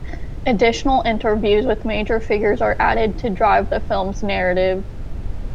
Additional interviews with major figures are added to drive the film's narrative.